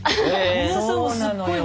そうなのよ。